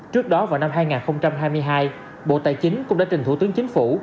trước đó vào năm hai nghìn hai mươi hai bộ tài chính cũng đã trình thủ tướng chính phủ